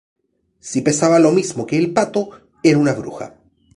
Si pesaba lo mismo que el pato, era una bruja.